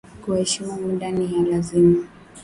Kueshimu muda niya lazima